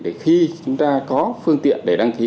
để khi chúng ta có phương tiện để đăng ký